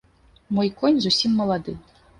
Мой конь зусім малады.